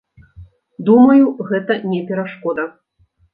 Думаю, гэта не перашкода.